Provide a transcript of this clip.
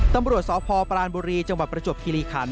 ตำรวจสพปรานบุรีจังหวัดประจวบคิริขัน